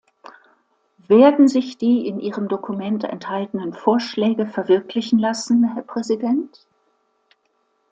Werden sich die in Ihrem Dokument enthaltenen Vorschläge verwirklichen lassen, Herr Präsident?